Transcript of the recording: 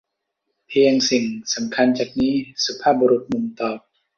เพียงสิ่งสำคัญจากนี้ สุภาพบุรุษหนุ่มตอบ